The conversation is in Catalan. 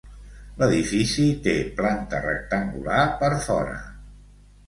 L'edifici té planta rectangular per fora.